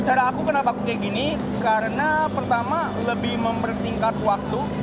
cara aku kenapa aku kayak gini karena pertama lebih mempersingkat waktu